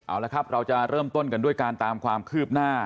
เอาละครับเราจะเริ่มต้นกันด้วยการตามความคืบหน้า